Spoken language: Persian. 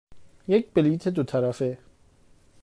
یک بلیط دو طرفه.